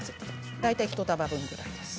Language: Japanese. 大体１束分くらいです。